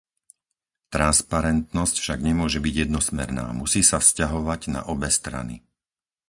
Transparentnosť však nemôže byť jednosmerná, musí sa vzťahovať na obe strany.